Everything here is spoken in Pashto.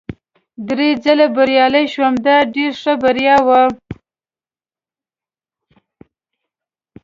درې ځلي بریالی شوم، دا ډېره ښه بریا وه.